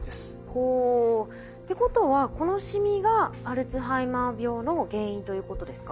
ほお。ってことはこのシミがアルツハイマー病の原因ということですか？